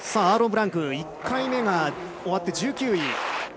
アーロン・ブランク１回目が終わって１９位。